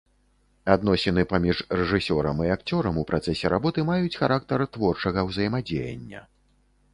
Адносіны паміж рэжысёрам і акцёрам у працэсе работы маюць характар творчага ўзаемадзеяння.